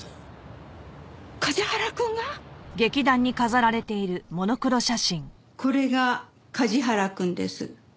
梶原くんが！？これが梶原くんです。